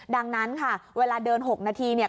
ดังนั้นค่ะเวลาเดิน๖นาทีเนี่ย